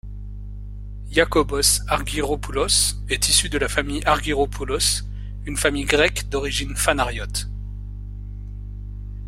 Iácobos Argyrópoulos est issu de la famille Argyropoulos, une famille grecque d'origine phanariote.